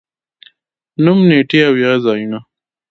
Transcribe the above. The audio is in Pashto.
نوم، نېټې او یا ځايونه